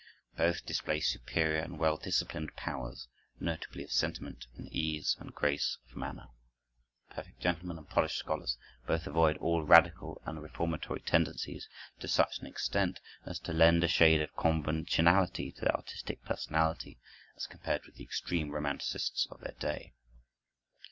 Both display superior and well disciplined powers, nobility of sentiment, and ease and grace of manner. Perfect gentlemen and polished scholars, both avoid all radical and reformatory tendencies, to such an extent as to lend a shade of conventionality to their artistic personality, as compared with the extreme romanticists of their day.